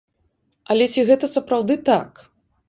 Але ці гэта сапраўды так?